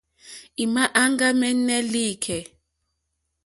Ì mà áŋɡámɛ́nɛ́ lìkɛ̂.